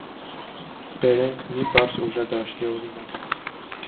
Բերենք մի պարզ ուժադաշտի օրինակ։